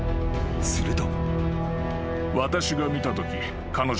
［すると］